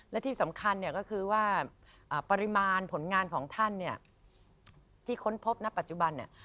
และที่สำคัญก็คือปริมาณผลงานของท่านที่ค้นพบในปัจจุบัน